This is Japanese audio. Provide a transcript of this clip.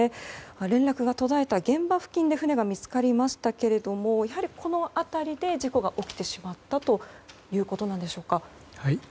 連絡が途絶えた現場付近で船が見つかりましたがやはりこの辺りで事故が起きてしまったということなんでしょうか。